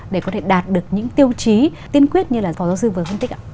để có thể đạt được những tiêu chí tiên quyết như là phó giáo sư vừa phân tích ạ